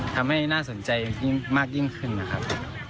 ทำให้น่าสนใจมากยิ่งขึ้นนะครับ